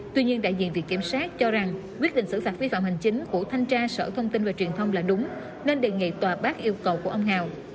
tuy nhiên đại diện viện kiểm sát cho rằng quyết định xử phạt vi phạm hành chính của thanh tra sở thông tin và truyền thông là đúng nên đề nghị tòa bác yêu cầu của ông hào